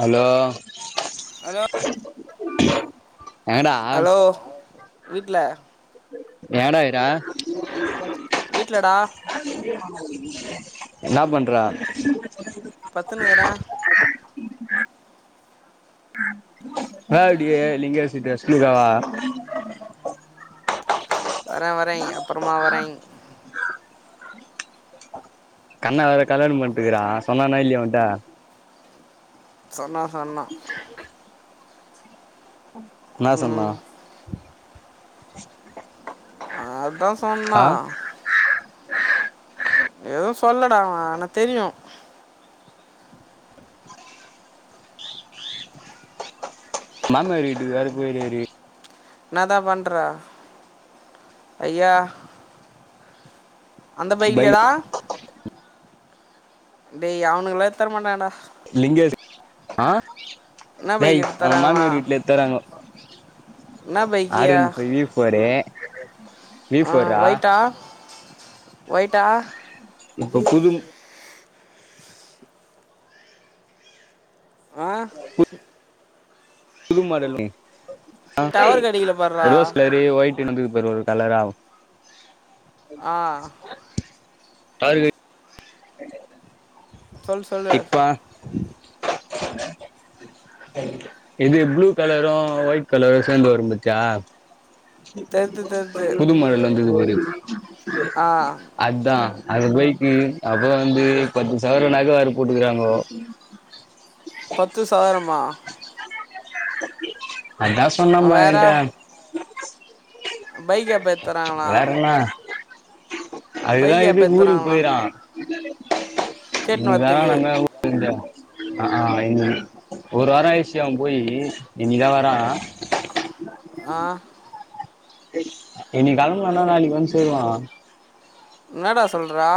Hello hello எங்கடா hello வீட்ல நீ எங்கடா கிற வீட்லடா இன்னா பண்ற பத்துன்னுக்குற வா அப்டியே லிங்கேஷ்கிட்ட ஸ்ப்பீடா வா வர வரே அப்பறமா வரேங் கண்ணா வேற கல்யாணம் பண்ட்டுக்குறா சொன்னானா இல்லியா உன்ட்ட சொன்னா சொன்னா இன்னா சொன்னா ம் அதா ஆ சொன்னா எதுவு சொல்லட அவ ஆனா தெரியு மாம்னாறு வீட்டுக்கு வேற போயிருக்காரு இன்னாதா பண்ற ஐயா அந்த பைக்லியா பைக் டா டேய் அவனுக்குலா எத்தரமாட்டாங்கடா லிங்கேஷ் அ என்ன பைக் டேய் எடுத்து அவ தராங்களா மாமியாரு வீட்டு்ல எத்தறாங்கோ என்ன பைக்கியா ஆர்ரொன் ஃபையி ஃபோரே அ ஒயிட்டா ஒயிட்டா இப்ப புதும் அ புது மாடல் மே அ டவர் கெடைக்கல பார்றா ரோஸ் கலரு ஒயிட் டேம் வந்தது பர் ஒர் ஒர் கலராவ் ஆ சொல்லு சொல்லு [unintelligible] இப்பா [inaudible] இது ப்ளூ கலரோ ஒயிட் கலரோ சேந்து வரும் பாத்தியா தெர்து தெர்து புதுமாடலு வந்தது பாரு ஆ அத்தா அது பைக்கு அப்பறோ வந்து பத்து சவரோ நக வேற போட்டுகுறாங்கோ பத்து சதுரமா அதா சொன்னாமா என்ட்ட பைக்க எப்ப எத்தறாங்ளா அதுக்குதா எப்டி ஊருக் எடுத்துறாங்களா போய்கிறா கேட்டுன்னு இன்னிக்கி வரத்துக்கு வேலன்ற [unintelligible] அக் அ இன் ஒரு வாரோ ஆய்ஷி அவ போயி இன்னிக்கு தா வரா அ இன்னிக் கெளம்னானா நாளிக் வந்து சேருவா இன்னடா சொல்றா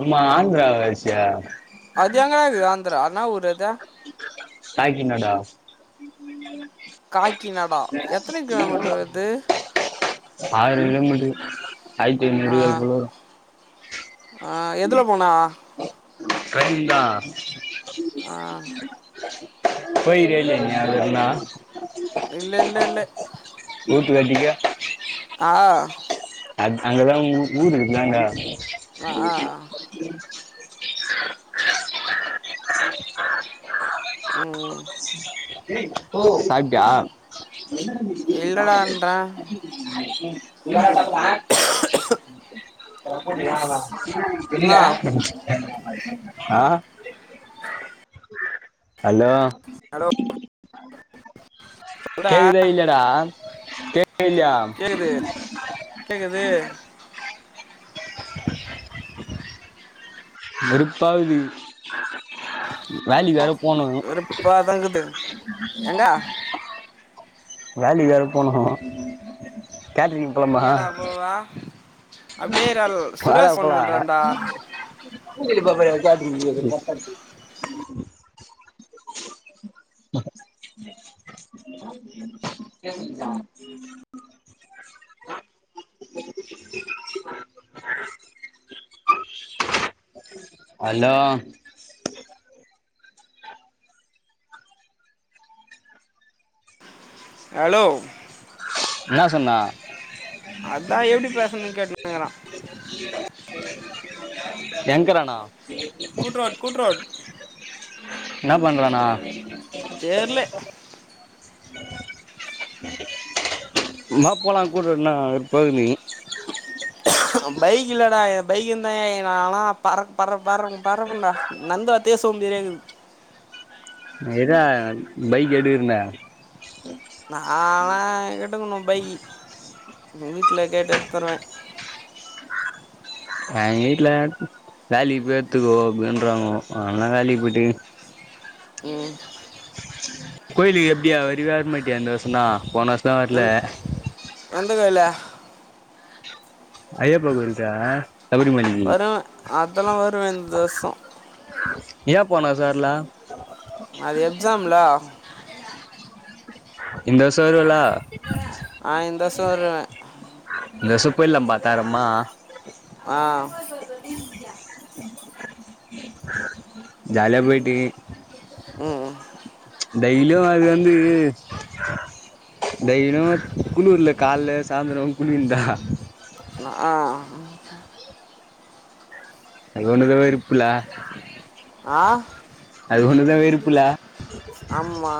அமா ஆந்ராவாச்சே அது எங்கடாக்குது ஆந்ரா இன்னா ஊரு அதே காக்கிநாடா காக்கிநாடா எத்தனை கிலோமீட்டர் வருது ஆயிரோ‌ கிலோ மீட்ரு ஆயிர்த்து ஆ ஐநூறு கிலோ ஆ மீட்ரு எதில் போனா அதுபோல வரோ கந்தா மா போயிக்கிரியா இல்லியா நீ அதுவர்லோ இல்ல இல்ல இல்ல டிக்கா அத் அங்கதா ஊ ஊரு இருக்குதாங்க ஆ ஆ கா.. கா.. கா... ம் ம் ஓ சாப்டியா இல்லைடான்றேன் இல்ல நா சாப்பலா இல்ல அண்ணா ஆ அலோ ஹலோ ஆ சொல்டா கேக்குதா இல்யாடா கேக் தா இல்யா கேக்குது ஹ ஹ ஹ வெறுப்பாகுது வேலிக் வேற போனு வெறுப்பாக தான் இருக்குது எங்க வேலைக் வேர போனு கேட்ரிங்கு போலாமா நீடா போவா அப்டியே ரால் சுரேஷ் ஃபோன் வாடா பண்றான்டா போலா [unintelligible] எங்கள பாத்தா எப்டி கிச் கேட்ச்சா ஹ அலோ அலோ என்னா சொன்னா? அதா எப்டி பேசணுன் கேட்டுனுக்குறா எங்க்றானா கூட்ரோட் கூட்ரோட் என்னா பண்றானா தெர்ல ஆ வா போலா கூட்ரோட்னா [unintelligible] நீ பைக் இல்லடா எ பைக் இர்ந்தா எ நாலா பற பறப் பரப் பரப்பண்டா நட்ந்து வர்தே சோம்பேறியாக்கீது இர்ரா பைக் எடுக்கிரண்டா நாலா எடுக்கணு பைக்கி வீட்ல கேட் எத்தருவே அ எங்க வீட்ல வேலிக் பேத்துக்கோ அப்டின்றாங்கோ அதனா வேலைக்கு போய்ட்டு ம் கோயிலுக்கு எப்டியா வருவியா வர மாட்டியா இந்த வருசந்தா போனா வருஷ்தா வர்ல எந் எந்த கோயிலு ஐயப்ப கோயில் தா வருவே அதெல்லா வருவே இந்தோசோ வர்லா அது எக்ஸாம் லா இந்த வர்ஷோ வருவலா வருவ தெசப்பெல்லா பாத்தாரம்மா ஆ ஜாலியா போயிட்டு ம் டெய்லியு அது வந்து டெய்லியு குளுர்ல கால்ல சாந்தரோ குளியல்தா ஆ அது ஒண்ணுதா வெறுப்புல ஆ அது ஒண்ணுதா வெறுப்புலா [inaudible] ஆமா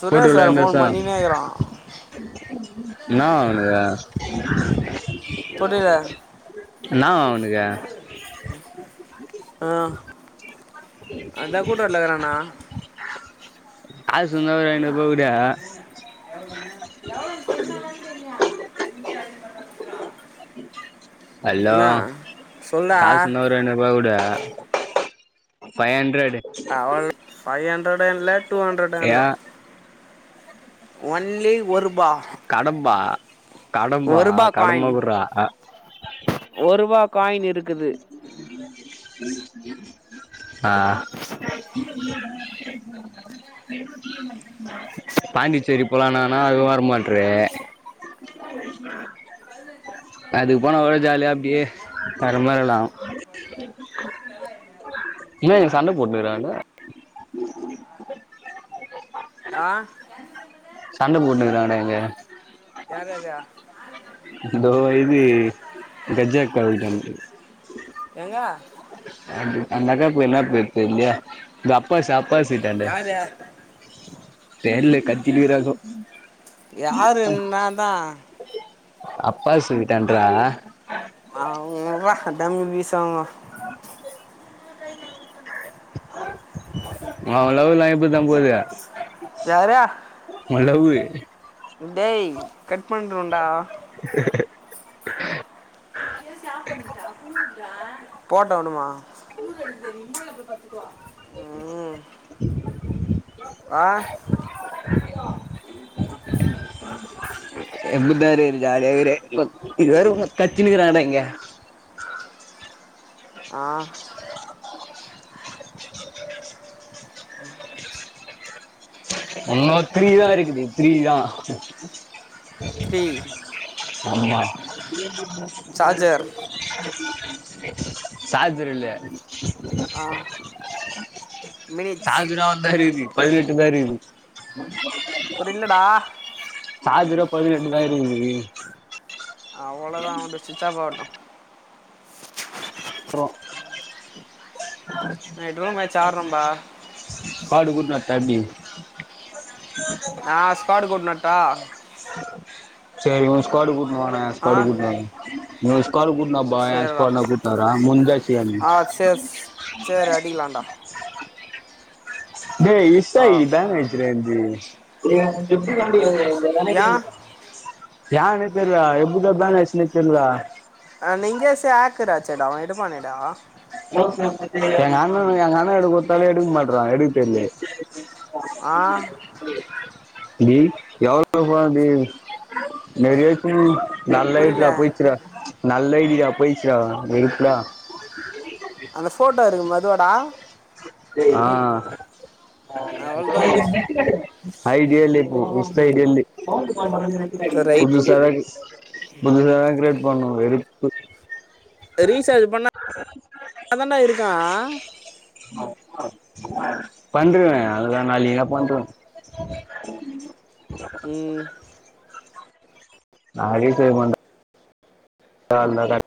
சுரேஷ் வேற ஃபோன் பண்ணினே இருக்கறா என்னாவா அவுனுக்கு புரில அவனுக அ [inaudible] [inaudible] [inaudible] ஹலோ என்ன சொல்டா காசு இருந்தா ஒரு ஐநூறுவா குடா ஃபைவ் ஹண்ரடு அவ ஃபைவ் ஹண்ட்ரடு இல்ல ல டூ ஹண்ட்ரடு இல்ல ஒன்லி ஒருபா கடம்பா கடம்பா ஒரு ரூபா காயின் கடம்ப குடுறா அ ஒரு ரூபா காயின் இருக்குது ஆ பாண்டிச்சேரி போலானானா அதுவு பார் மால்ட்று [inaudible] பரம்பறலா ஏ இங்க சண்ட போட்டுக்றாங்க [inaudible] ஆ சண்ட போட்டுக்றான்டா இங்க யாராரு தோ இது கஜா கால்டன்டு எங்க அது அந்த அக்கா போயி என்னா பேச்சு தெர்லியே இந்த அப்பா சாப் பாசிட்டான்ட யார் தெர்ல கத்தினுக்றாங்கோ யாரு என்னாதா அப்பாஸ் வீட்டான்றா ஆ அவுங் உடறா டம்மி பீஸ் அவுங்க உ லவ் லா எப்டித்தா போது ரார உ லவ்வு டேய் கட் பண்றொன்டா போட்டானுமா ம் ஆ எப்டிதா இருக்து ஜாலியா இருக்து இது வேற கத்தினு இருக்றாங்டா இங்க ஆ இன்னு த்ரீ தா இருக்குது த்ரீதா த்ரீ அம்மா சார்ஜர் சார்ஜரு இல்ல ஆ மினிட்ஸ் சார்ஜரு அவ்ளதா இக்குது பதி னெட்டுதா இருக்குது ப்ரில்லடா சார்ஜ் வேற பதினெட்டு தா இருக்குது அவ்ளோதா உனுது ஸ்விட்ச் ஆஃப் ஆகட்டோ அப்றோ நைட் ரூம் மேட்ச் ஆடுறோம்பா ஸ்க்வார்டு கூட்னு வர்ட்டா அடிக்கறதுக்கு நா ஸ்க்வார்டு கூட்னு வர்ட்டா செரி உ ஸ்க்வார்டு கூட்னு வா நா ஏ ஆ ஸ்க்வார்டு கூட்னு வர நீ ஒரு ஸ்க்வார்டு கூட்னுவாப்பா ஏ சரிடா ஸ்க்வார்டு நா கூட் னு வர முஞ்ச்சா செய்யா நீ ஆ சரி சரி அடிக்கலாம்டா டேய் எக்ஸ்டா ஆ இதானு ஆயிடுச்சுடா என்து ஏன் ஏன் [unintelligible] ஏன்னே தெர்ல எப்டீ தா பேன் ஆயிச்சுனே தெர்லடா ஆ லிங்கேஸ் ஹேக்கறாச்சேடா அவ எடு பாணேடா [unintelligible] எங்க அண்ணனு எங்க அண்ணகிட்ட குத்தாலு எடுக்க மாற்றாங்க எடுக்க தெர்லே ஆ டீல் எவ்ளோப்பா டீல் [unintelligible] நல்ல புரியல ஹைட்றா போயிருச்சு டா நல்லா ஐடியா போயிருச்சு டா வெருப்புடா இதுவாடா ஆ அவ்வளோதான் விடு ஐடியா இல்ல இப்போ வொஸ்ட்டு ஐடியா இல்லே ரைட் புதுசா தா புதுசா தா கிரியேட் பண்ணனு வெறுப்பு ரீசார்ஜ் பண்ணா தண்டா இருக்கோ [unintelligible] பண்றுவ அதுலா நாளிக்கா பண்றுவ ம் நா ரீஜார்ஜ் பண்ற நல்லாதா இருக்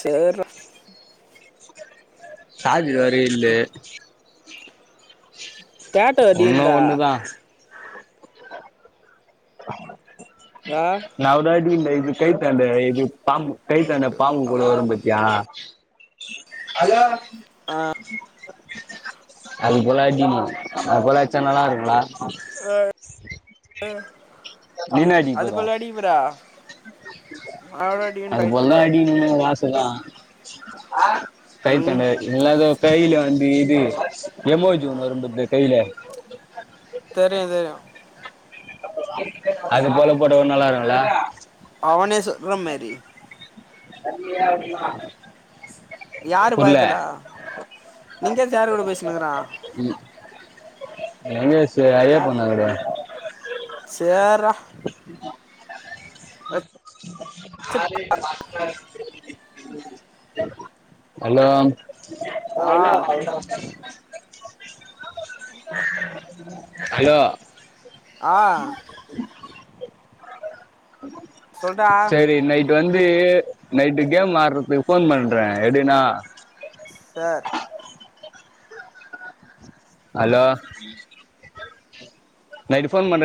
சர் டா சார்ஜ் வேற இல்லே கேட்ட ஒன்னு வதியுண்டா ஒண்ணுதா ஆ நவ தாடி இந்த இது கைத்தாண்ட இது பாம்பு கைத்தாண்ட பாம்பு போல வரு பத்தியா ஆ அது போல அடி நீ அது போலயட்ச்சா நல்லா இருக்கோல ஆ ஆ நீன்னா அடிக்க போறே அவட அடியுண்டா இத்துல அதுபோல்லா தா அடிக்கணோனு ஒரு ஆச தா ம் கைத்தாண்ட இல்னா எதோ கையில வந்தி இது எமோஜ் ஒன்னு வரும் பாத்தே கைலே தெரியு தெரியு அது போல போட்டா கூட நல்லா இருக்குல அவனே சுட்ர மாரி தண்ணியா ஊத்துட்மா யாரு பக்கத்துல லிங்கேஷ் யாரு கூட பேசினுக்குறா லிங்கேசு ஐயப்பன் நகறு சேர்ரா வச்சுட் [unintelligible] ஹலோ ஆ [unintelligible] ஹலோ ஆ சொல்றா செரி நைட்டு் வந்து நைட்டு கேம் ஆட்றதுக்கு ஃபோன் பண்ற எடுனா சார் ஹலோ நைட்டு போன் பன்றே